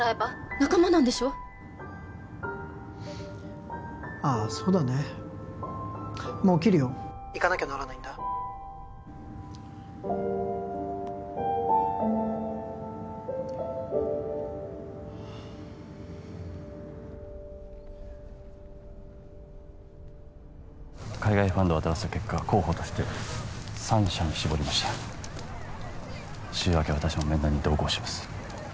仲間なんでしょああそうだねもう切るよ☎行かなきゃならないんだ海外ファンドを当たらせた結果候補として３社に絞りました週明け私も面談に同行します